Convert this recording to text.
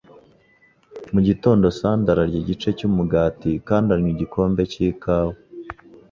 Mu gitondo, Sandra arya igice cy'umugati kandi anywa igikombe cy'ikawa